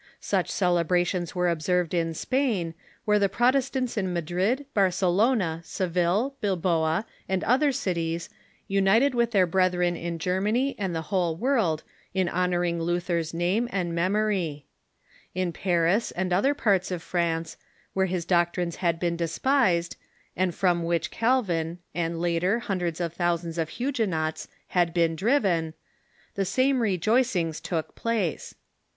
Such celebrations were observed in Spain, where the Protestants in Madrid, Barcelona, Seville, Bilboa, and other cities united with their brethren in Ger many and the whole world in honoring Luther's name and memory. In Paris and other parts of France, where his doc trines had been despised, and from which Calvin, and, later, hundreds of thousands of Huguenots, had been driven, the FOUE HUNDEEDTH ANNIVEESAEY OF LUTIIEE's IJIETII 283 same rejoicings took place.